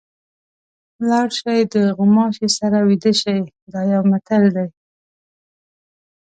لاړ شئ د غوماشي سره ویده شئ دا یو متل دی.